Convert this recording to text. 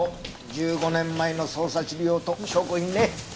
１５年前の捜査資料と証拠品ね。